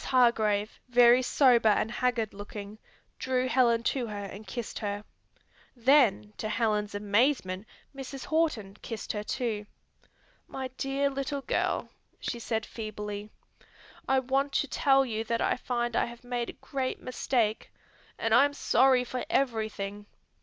Hargrave, very sober and haggard looking, drew Helen to her and kissed her. Then to Helen's amazement Mrs. Horton kissed her too. "My dear little girl," she said feebly, "I want to tell you that I find I have made a great mistake, and I am sorry for everything.